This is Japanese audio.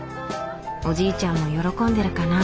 おじいちゃんも喜んでるかな。